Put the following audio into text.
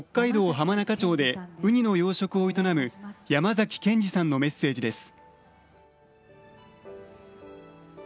浜中町でウニの養殖を営む山崎賢治さんのメッセージです。